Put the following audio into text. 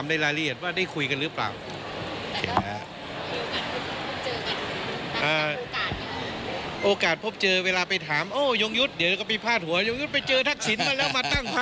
ไม่ตอบไม่ตอบ